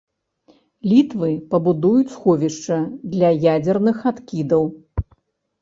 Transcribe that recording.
Літвы, пабудуюць сховішча для ядзерных адкідаў.